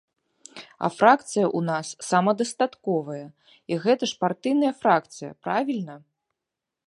А фракцыя ў нас самадастатковая, і гэта ж партыйная фракцыя, правільна?